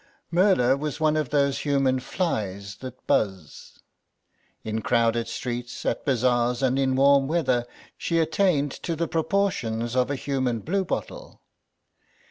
Merla was one of those human flies that buzz; in crowded streets, at bazaars and in warm weather, she attained to the proportions of a human bluebottle.